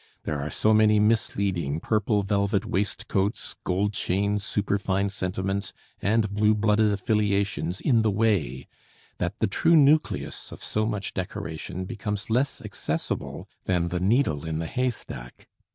There are so many misleading purple velvet waistcoats, gold chains, superfine sentiments, and blue blooded affiliations in the way, that the true nucleus of so much decoration becomes less accessible than the needle in the hay stack.